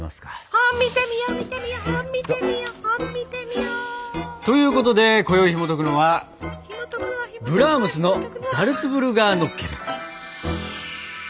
本見てみよう見てみよう本見てみよう本見てみよう。ということでこよいひもとくのは「ブラームスのザルツブルガーノッケルン」。